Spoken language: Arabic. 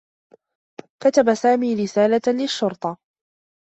كتب سامي رسالة للشّرطة.